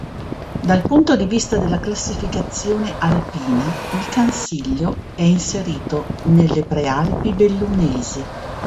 Dal punto di vista della classificazione alpina il Cansiglio è inserito nelle Prealpi Bellunesi.